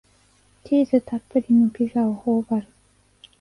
チーズたっぷりのピザをほおばる